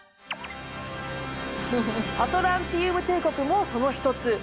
アトランティウム帝国もその一つ。